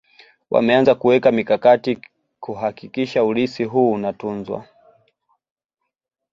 wameanza kuweka mikakati kuhakikisha urithi huu unatunzwa